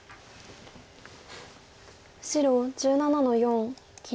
白１７の四切り。